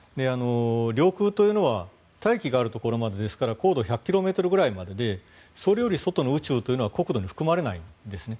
領空というのは大気があるところまでですから高度１００ｋｍぐらいまででそれより外の宇宙というのは国土に含まれないんですね。